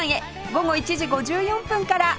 午後１時５４分から